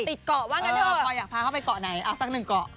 เกาะว่างั้นเถอะพลอยอยากพาเขาไปเกาะไหนเอาสักหนึ่งเกาะ